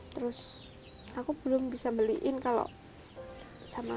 terus aku belum bisa beliin kalau sama